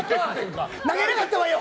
泣けなかったわよ！